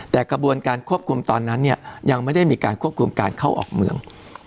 แต่กระบวนการควบคุมตอนนั้นเนี่ยยังไม่ได้มีการควบคุมการเข้าออกเมือง